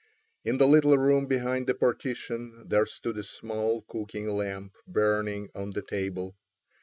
In the little room behind the partition there stood a small cooking lamp burning on the table.